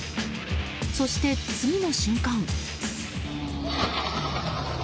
そして、次の瞬間。